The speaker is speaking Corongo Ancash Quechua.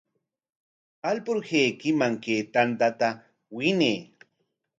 Alpurhaykiman kay tanta winay.